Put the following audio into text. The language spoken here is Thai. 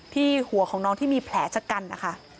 ที่หัวของน้องที่มีแผลชะกันนะคะ